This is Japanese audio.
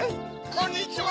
こんにちは。